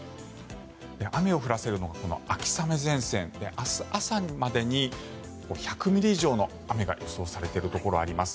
雨を降らせるのがこの秋雨前線で明日朝までに１００ミリ以上の雨が予想されているところがあります。